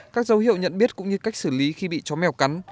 các dấu hiệu nhận biết cũng như cách xử lý khi bị chó mèo cắn